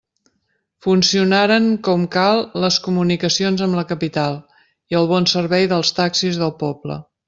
Funcionaren com cal les comunicacions amb la capital i el bon servei dels taxis del poble.